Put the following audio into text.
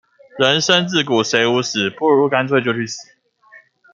人生自古誰無死，不如乾脆就去死